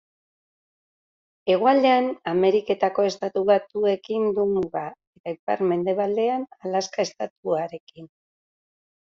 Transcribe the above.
Hegoaldean Ameriketako Estatu Batuekin du muga, eta ipar-mendebaldean Alaska estatuarekin.